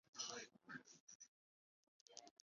湖广乡试第三十一名。